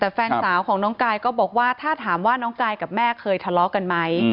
แต่แฟนสาวของน้องกายก็บอกว่าถ้าถามว่าน้องกายกับแม่เคยทะเลาะกันไหม